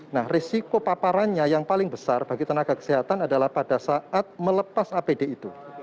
nah risiko paparannya yang paling besar bagi tenaga kesehatan adalah pada saat melepas apd itu